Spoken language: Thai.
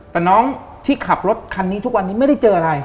แต่น้องที่ขับรถคันนี้ทุกวันนี้ไม่ได้เจออะไร